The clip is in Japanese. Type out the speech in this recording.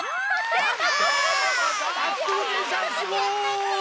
やった！